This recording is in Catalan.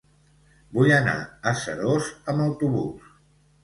Vull anar a Seròs amb autobús.